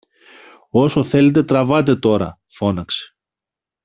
Όσο θέλετε τραβάτε τώρα! φώναξε.